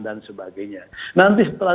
dan sebagainya nanti setelah